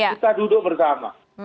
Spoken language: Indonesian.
kita duduk bersama